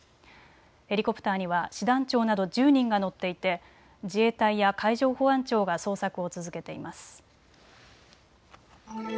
ヘリコプターには師団長など１０人が乗っていて自衛隊や海上保安庁が捜索を続けています。